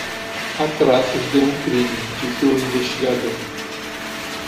Há traços de um de crime, disse o investigador.